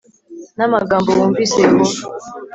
n amagambo wumvise Yehova